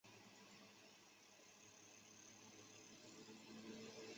阿拉套棘豆为豆科棘豆属下的一个种。